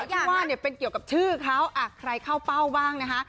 ที่ว่าเนี่ยเป็นเกี่ยวกับชื่อเขาใครเข้าเป้าบ้างนะคะ